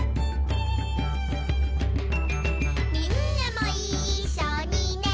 「みんなもいっしょにね」